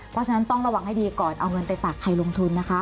เพราะฉะนั้นต้องระวังให้ดีก่อนเอาเงินไปฝากใครลงทุนนะคะ